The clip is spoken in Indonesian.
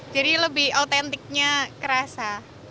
jadi lebih autentiknya kerasa